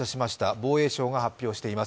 防衛省が発表しています。